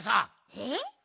えっ？